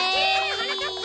はなかっぱ！